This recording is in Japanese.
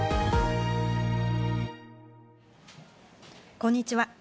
こんにちは。